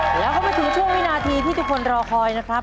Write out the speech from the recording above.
จากจังหวัดพัทธรุงจะสามารถพิชิตเงินล้านกลับไปบ้านได้หรือไม่นะครับ